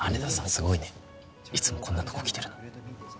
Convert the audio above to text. すごいねいつもこんなとこ来てるの？